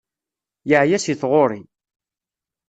Yeεya si tɣuri.